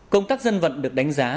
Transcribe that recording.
công tác dân vận được đánh giá